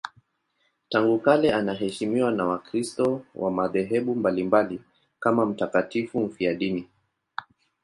Tangu kale anaheshimiwa na Wakristo wa madhehebu mbalimbali kama mtakatifu mfiadini.